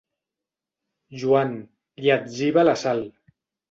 Joan, li etziba la Sal.